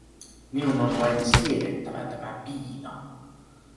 Minun on vain siedettävä tämä piina.